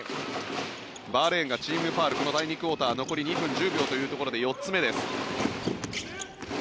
バーレーンがチームファウルこの第２クオーター残り２分１０秒というところで４つ目です。